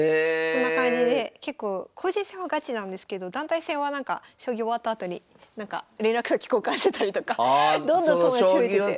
そんな感じで結構個人戦はガチなんですけど団体戦はなんか将棋終わったあとになんか連絡先交換してたりとかどんどん友達増えてて。